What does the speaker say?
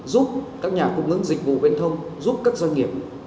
giúp các nhà cung ứng dịch vụ viễn thông giúp các doanh nghiệp